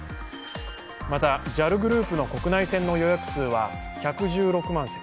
また、ＪＡＬグループの国内線の予約数は１１６万席。